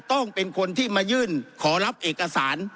ต้องเป็นคนที่มายื่นขอรับเอกสาร